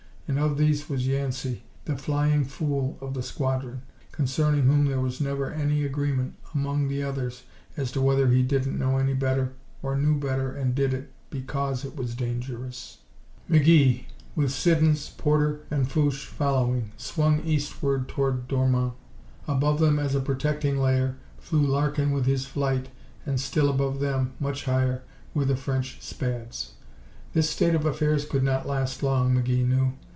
And of these was Yancey, the "flying fool" of the squadron, concerning whom there was never any agreement among the others as to whether he didn't know any better or knew better and did it because it was dangerous. McGee, with Siddons, Porter and Fouche following, swung eastward toward Dormans. Above them, as a protecting layer, flew Larkin with his flight, and still above them, much higher, were the French Spads. This state of affairs could not last long, McGee knew.